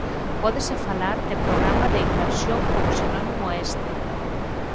Pódese falar de programa de inmersión como sinónimo a este.